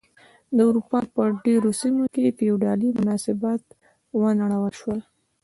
د اروپا په ډېرو سیمو کې فیوډالي مناسبات ونړول شول.